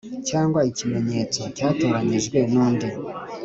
Cyangwa ikimenyetso cyatoranyijwe n undi